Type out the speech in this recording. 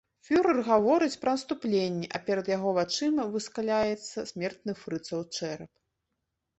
Фюрэр гаворыць пра наступленне, а перад яго вачыма выскаляецца смертны фрыцаў чэрап.